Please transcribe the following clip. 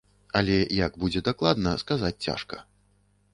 Але як будзе дакладна, сказаць цяжка.